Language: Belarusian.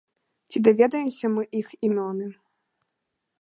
Ці даведаемся мы іх імёны?